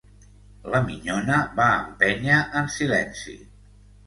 La minyona va empènyer en silenci.